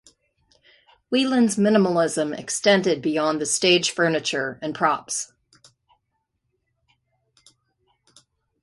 Wieland's minimalism extended beyond the stage furniture and props.